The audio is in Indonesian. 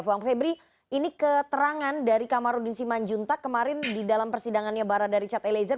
bang febri ini keterangan dari kamarudin simanjuntak kemarin di dalam persidangannya barada richard eliezer